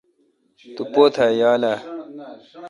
تو پوتھ یال اؘ۔